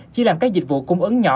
chỉ làm các dịch vụ cung ứng nhỏ